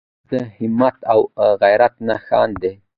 تاریخ د همت او غیرت نښان دی.